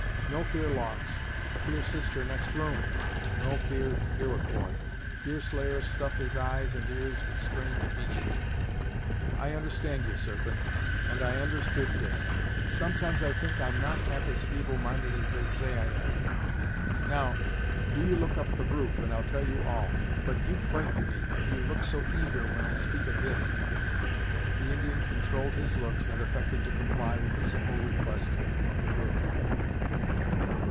"No fear logs; fear sister next room. No fear Iroquois; Deerslayer stuff his eyes and ears with strange beast." "I understand you, Serpent, and I understood Hist. Sometimes I think I'm not half as feeble minded as they say I am. Now, do you look up at the roof, and I'll tell you all. But you frighten me, you look so eager when I speak of Hist." The Indian controlled his looks, and affected to comply with the simple request of the girl.